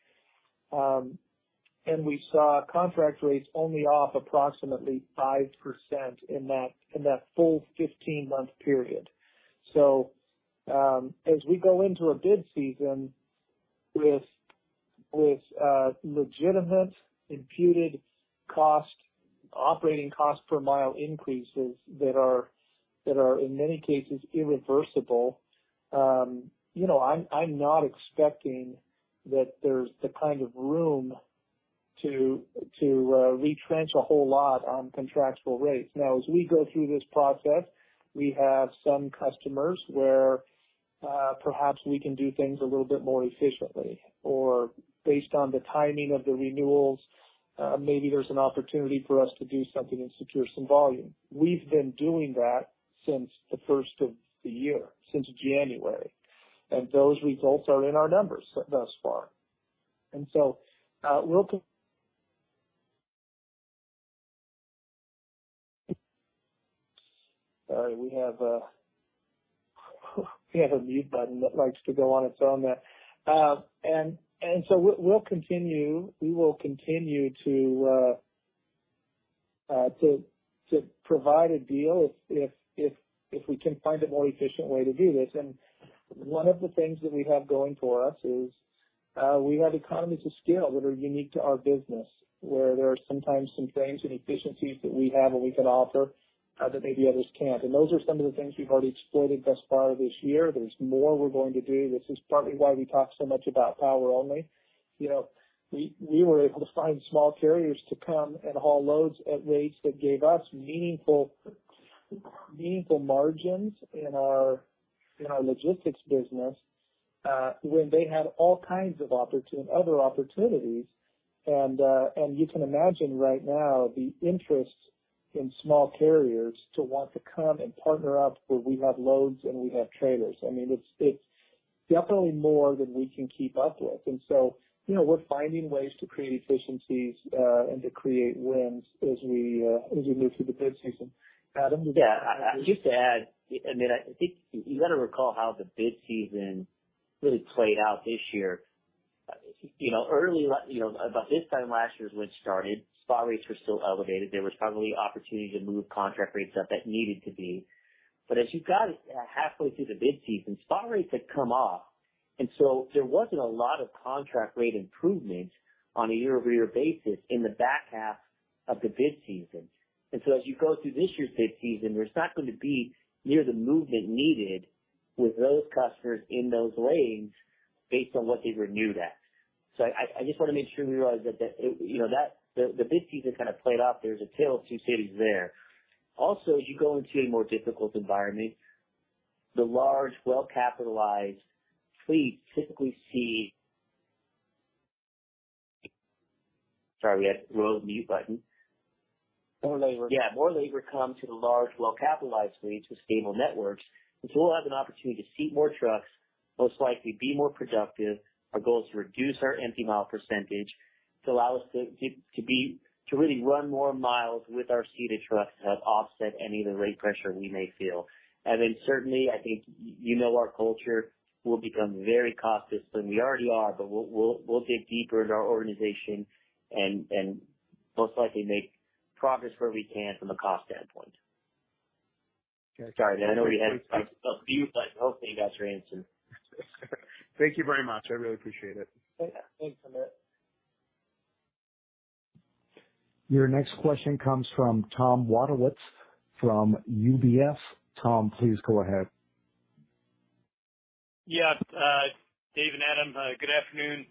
We saw contract rates only off approximately 5% in that full 15-month period. As we go into a bid season with legitimate imputed cost, operating cost per mile increases that are in many cases irreversible I'm not expecting that there's the kind of room to retrench a whole lot on contractual rates. Now, as we go through this process, we have some customers where perhaps we can do things a little bit more efficiently or based on the timing of the renewals, maybe there's an opportunity for us to do something and secure some volume. We've been doing that since the first of the year, since January, and those results are in our numbers thus far. We'll. Sorry, we have a mute button that likes to go on its own there. We'll continue to provide a deal if we can find a more efficient way to do this. One of the things that we have going for us is we have economies of scale that are unique to our business, where there are sometimes some things and efficiencies that we have and we can offer that maybe others can't. Those are some of the things we've already exploited thus far this year. There's more we're going to do. This is partly why we talk so much about power only. You know, we were able to find small carriers to come and haul loads at rates that gave us meaningful margins in our logistics business when they had all kinds of other opportunities. You can imagine right now the interest in small carriers to want to come and partner up where we have loads and we have trailers. I mean, it's definitely more than we can keep up with. You know, we're finding ways to create efficiencies and to create wins as we move through the bid season. Adam? Yeah. Just to add, I mean, I think you got to recall how the bid season really played out this year. You know, about this time last year is when it started, spot rates were still elevated. There was probably opportunity to move contract rates up that needed to be. As you got halfway through the bid season, spot rates had come off, and so there wasn't a lot of contract rate improvement on a year-over-year basis in the back half of the bid season. As you go through this year's bid season, there's not going to be near the movement needed with those customers in those lanes based on what they renewed at. I just want to make sure we realize that that the bid season kind of played out. There's a tale of two cities there. Also, as you go into a more difficult environment, the large, well-capitalized fleets typically see. Sorry, we had the mute button. More labor. Yeah, more labor come to the large, well-capitalized fleets with stable networks, which will have an opportunity to seat more trucks, most likely be more productive. Our goal is to reduce our empty mile percentage to allow us to really run more miles with our seated trucks to help offset any of the rate pressure we may feel. Certainly, I think, you know our culture, we'll become very cost-conscious, and we already are, but we'll dig deeper into our organization and most likely make progress where we can from a cost standpoint. Sorry, I know we had a mute button. Hopefully you got your answer. Thank you very much. I really appreciate it. Yeah. Thanks, Amit. Your next question comes from Tom Wadewitz from UBS. Tom, please go ahead. Yeah. Dave and Adam, good afternoon.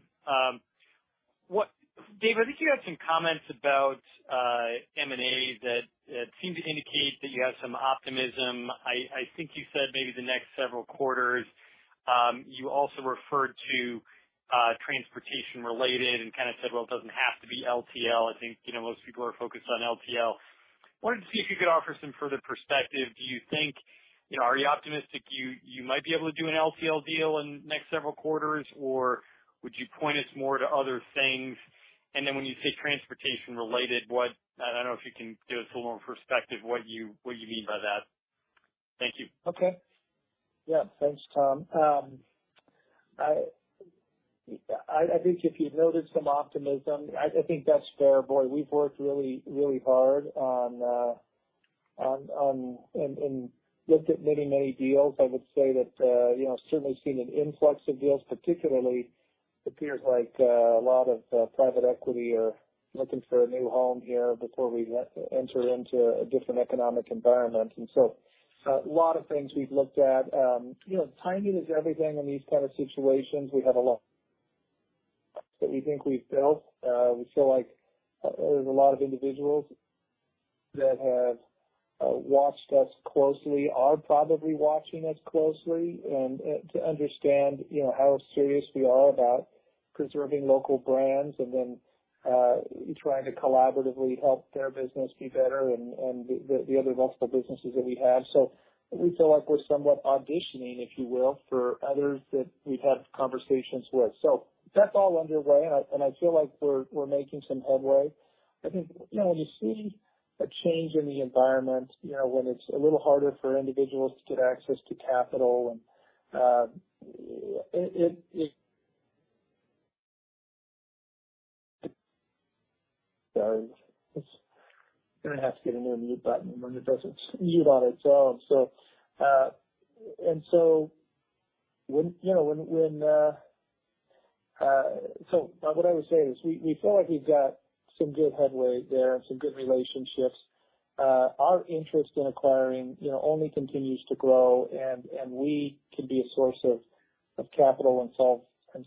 Dave, I think you had some comments about M&A that seemed to indicate that you have some optimism. I think you said maybe the next several quarters. You also referred to transportation related and kind of said, well, it doesn't have to be LTL. I think most people are focused on LTL. Wanted to see if you could offer some further perspective. Do you think are you optimistic you might be able to do an LTL deal in the next several quarters, or would you point us more to other things? Then when you say transportation related, what I don't know if you can give us a little more perspective what you mean by that. Thank you. Okay. Yeah, thanks, Tom. I think if you noticed some optimism, I think that's fair. Boy, we've worked really hard and looked at many deals. I would say that certainly seen an influx of deals particularly appears like a lot of private equity are looking for a new home here before we enter into a different economic environment. A lot of things we've looked at. You know, timing is everything in these kind of situations. We have a lot that we think we've built. We feel like there's a lot of individuals that have watched us closely, are probably watching us closely and to understand how serious we are about preserving local brands and then trying to collaboratively help their business be better and the other multiple businesses that we have. We feel like we're somewhat auditioning, if you will, for others that we've had conversations with. That's all underway, and I feel like we're making some headway. I think when you see a change in the environment when it's a little harder for individuals to get access to capital and it. Sorry. Just gonna have to get a new mute button when it doesn't mute on its own. when when. What I was saying is we feel like we've got some good headway there and some good relationships. Our interest in acquiring only continues to grow and we can be a source of capital and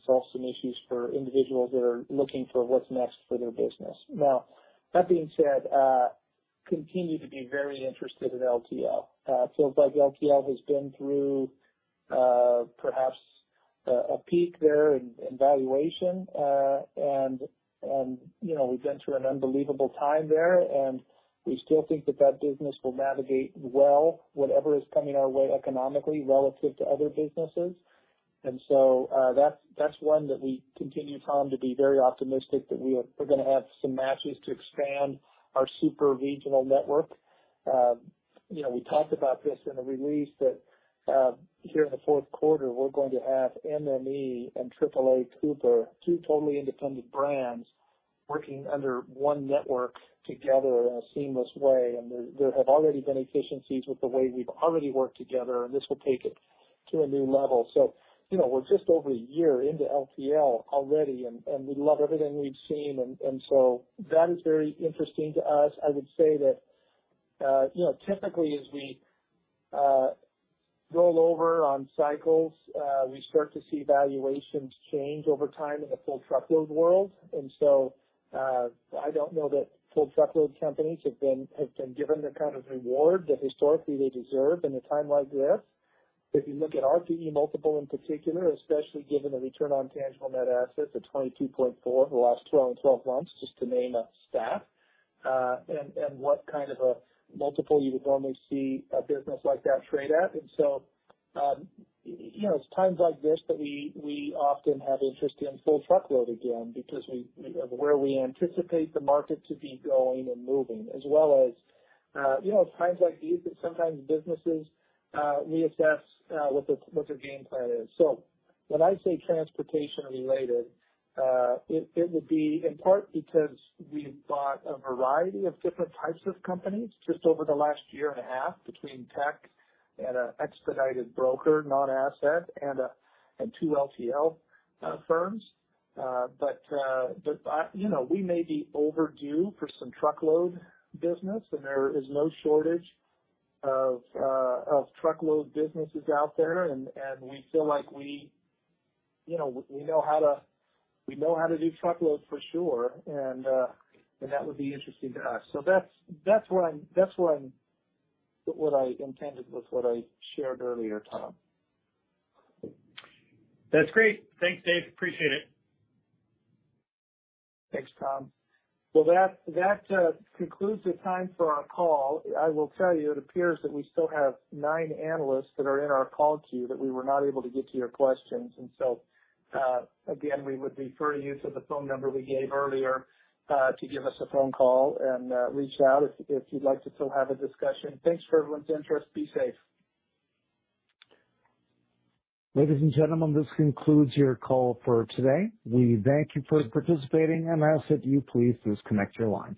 solve some issues for individuals that are looking for what's next for their business. Now, that being said, continue to be very interested in LTL. It feels like LTL has been through perhaps a peak there in valuation. And you know, we've been through an unbelievable time there, and we still think that that business will navigate well whatever is coming our way economically relative to other businesses. That's one that we continue, Tom, to be very optimistic that we're gonna have some matches to expand our super-regional network. You know, we talked about this in the release that here in the fourth quarter, we're going to have MME and AAA Cooper, two totally independent brands working under one network together in a seamless way. There have already been efficiencies with the way we've already worked together, and this will take it to a new level. You know, we're just over a year into LTL already and we love everything we've seen and so that is very interesting to us. I would say that you know, typically as we roll over on cycles, we start to see valuations change over time in the full truckload world. I don't know that full truckload companies have been given the kind of reward that historically they deserve in a time like this. If you look at our P/E multiple in particular, especially given the return on net tangible assets of 22.4 for the last 12 and 12 months, just to name a stat, and what kind of a multiple you would normally see a business like that trade at. You know, it's times like this that we often have interest in truckload again because where we anticipate the market to be going and moving as well as times like these that sometimes businesses reassess what their game plan is. When I say transportation related, it would be in part because we've bought a variety of different types of companies just over the last year and a half between tech and an expedited broker, non-asset, and two LTL firms. You know, we may be overdue for some truckload business and there is no shortage of truckload businesses out there. We feel like we we know how to do truckload for sure and that would be interesting to us. That's what I intended with what I shared earlier, Tom. That's great. Thanks, Dave. Appreciate it. Thanks, Tom. Well, that concludes the time for our call. I will tell you, it appears that we still have nine analysts that are in our call queue that we were not able to get to your questions. Again, we would refer you to the phone number we gave earlier to give us a phone call and reach out if you'd like to still have a discussion. Thanks for everyone's interest. Be safe. Ladies and gentlemen, this concludes your call for today. We thank you for participating and ask that you please disconnect your lines.